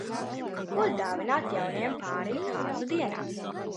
Ko dāvināt jaunajam pārim kāzu dienā?